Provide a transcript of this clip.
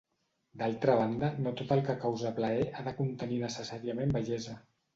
D'altra banda, no tot el que causa plaer ha de contenir necessàriament bellesa.